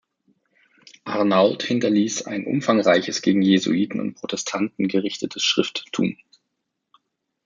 Arnauld hinterließ ein umfangreiches, gegen Jesuiten und Protestanten gerichtetes Schrifttum.